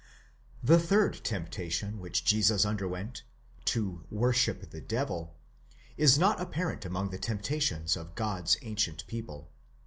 The third temptation which Jesus underwent—to worship the devil—is not apparent among the temptations of God's ancient people.